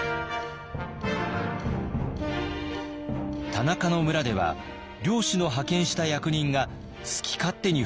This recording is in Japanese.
田中の村では領主の派遣した役人が好き勝手に振る舞っていました。